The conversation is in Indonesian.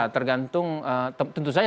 tergantung tentu saja